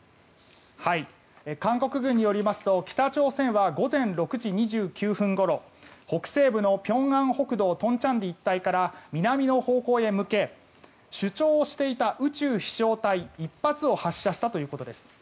韓国軍によりますと北朝鮮は午前６時２９分ごろ北西部の平安北道東倉里一帯から南の方向へ向け、主張していた宇宙飛翔体１発を発射したということです。